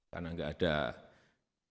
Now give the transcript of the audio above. karena enggak ada cadangan pangan